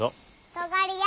とがりあ。